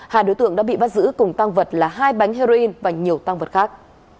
hai đối tượng đã bị bắt giữ cùng tăng vật là hai bánh heroin và nhiều tăng vật khác